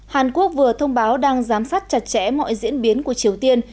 hàn quốc vừa thông báo đang giám sát chặt chẽ mọi diễn biến của triều tiên